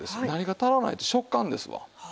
何が足らないって食感ですわ。